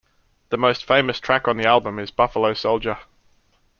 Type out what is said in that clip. The most famous track on the album is Buffalo Soldier.